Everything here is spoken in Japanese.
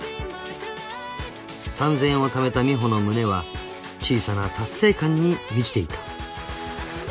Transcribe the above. ［３，０００円をためた美帆の胸は小さな達成感に満ちていた］